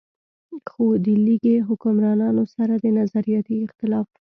خو د ليګي حکمرانانو سره د نظرياتي اختلاف